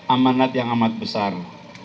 amanat yang amat besar